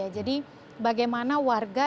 jadi bagaimana warga